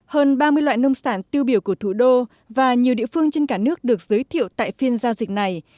hơn ba mươi loại nông sản tiêu biểu của thủ đô và nhiều địa phương trên cả nước được giới thiệu tại phiên giao dịch này